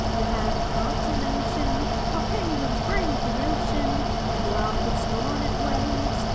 You haven't got a notion How penguins brave the ocean And laugh with scorn at waves.